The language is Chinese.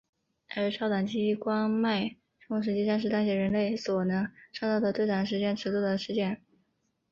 而超短激光脉冲实际上是当前人类所能创造的最短时间尺度的事件。